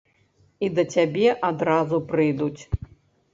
І да цябе адразу прыйдуць.